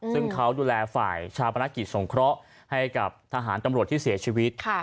ซึ่งเขาดูแลฝ่ายชาปนกิจสงเคราะห์ให้กับทหารตำรวจที่เสียชีวิต